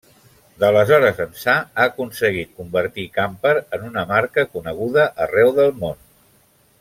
D'aleshores ençà ha aconseguit convertir Camper en una marca coneguda arreu del món.